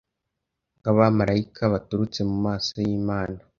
Nkabamarayika baturutse mumaso yImana